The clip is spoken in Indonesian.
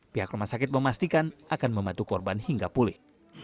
pihak rumah sakit memastikan akan membantu korban hingga pulih